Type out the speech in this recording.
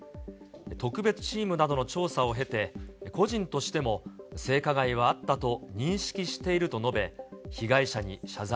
特別チームなどの調査を経て、個人としても性加害はあったと認識していると述べ、被害者に謝罪